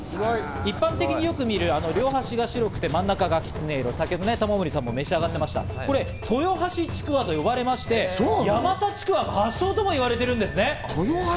一般的によく見る、両端が白くて、真ん中がキツネ色、先ほど玉森さんも召し上がっていらっしゃいました、これ豊橋ちくわと呼ばれまして、ヤマサちくわ発祥とも言われているんですね。